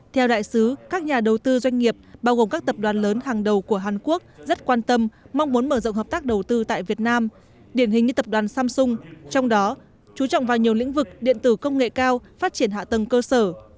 theo đại sứ các nhà đầu tư doanh nghiệp bao gồm các tập đoàn lớn hàng đầu của hàn quốc rất quan tâm mong muốn mở rộng hợp tác đầu tư tại việt nam điển hình như tập đoàn samsung trong đó chú trọng vào nhiều lĩnh vực điện tử công nghệ cao phát triển hạ tầng cơ sở